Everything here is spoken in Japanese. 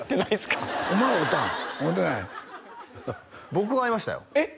僕は会いましたよえっ？